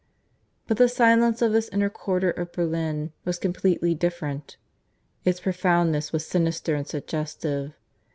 But the silence of this inner quarter of Berlin was completely different. Its profoundness was sinister and suggestive.